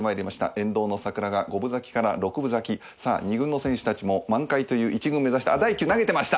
沿道の桜が五分咲きから六分咲きさあ２軍の選手たちも満開という１軍を目指してあっ第１球投げてました！